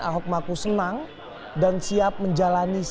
ahok maku senang dan siap menjalani perjalanan ke mabespori